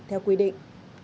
theo quy định